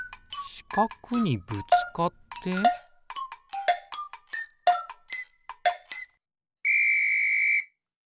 しかくにぶつかってピッ！